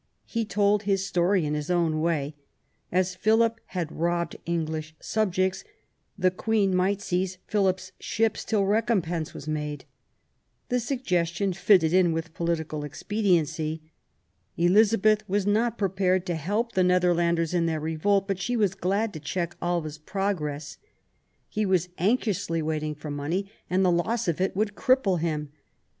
He told his story in his own way: as Philip had robbed English subjects, the Queen might seize Philip's ships till recompense was made. The suggestion fitted in with political ex pediency. Elizabeth was not prepared to help the Netherlanders in their revolt, but she was glad to check Alva's progress. He was anxiously waiting for money, and the loss of it would cripple him.